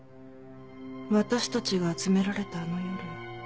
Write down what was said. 私たちが集められたあの夜。